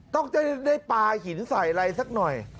ต้องจะได้ปลาหินใส่อะไรสักหน่อย